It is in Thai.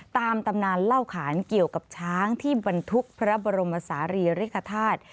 ตามตำนานเล่าขานเกี่ยวกับช้างที่บรรทุกพระบรมศาลีริกฐาตุ